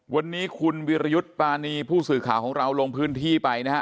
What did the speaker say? วันนี้คุณวิรยุทธ์ปานีผู้สื่อข่าวของเราลงพื้นที่ไปนะฮะ